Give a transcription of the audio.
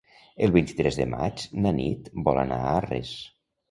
El vint-i-tres de maig na Nit vol anar a Arres.